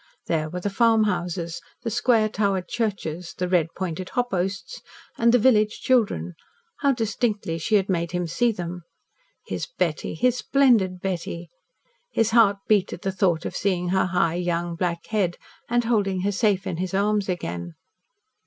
There were the farmhouses, the square towered churches, the red pointed hop oasts, and the village children. How distinctly she had made him see them! His Betty his splendid Betty! His heart beat at the thought of seeing her high, young black head, and holding her safe in his arms again.